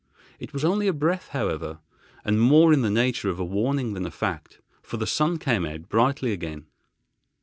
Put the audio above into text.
It was only a breath, however, and more in the nature of a warning than a fact, for the sun came out brightly again.